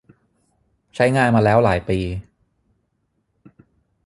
ใช้งานมาแล้วหลายปี